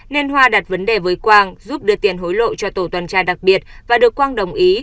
nên hoa đặt vấn đề với quang giúp đưa tiền hối lộ cho tổ tuần tra đặc biệt và được quang đồng ý